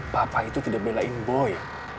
bapak itu tidak belain boy